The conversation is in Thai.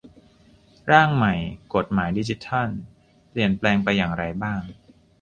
ร่างใหม่กฎหมายดิจิทัล เปลี่ยนแปลงไปอย่างไรบ้าง